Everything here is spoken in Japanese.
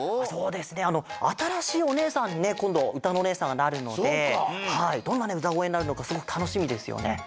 そうですねあたらしいおねえさんにねこんどうたのおねえさんがなるのでどんなうたごえになるのかすごくたのしみですよね。